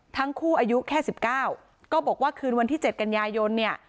ทั้งคู่อายุแค่สิบเก้าก็บอกว่าคืนวันที่เจ็ดกันยายนเนี่ย